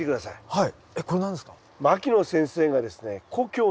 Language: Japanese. はい。